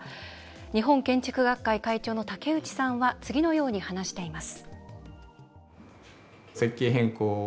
日本建築学会会長の竹内さんは次のように話しています。